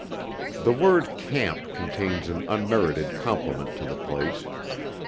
The word 'camp' contains an unmerited compliment to the place.